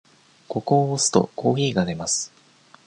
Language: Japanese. ここを押すと、コーヒーが出ます。